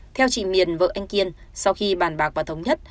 theo chị miền vợ anh kiên sau khi bàn bạc và thống nhất